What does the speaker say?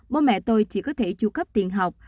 bố mẹ tôi chỉ có thể tru cấp tiền học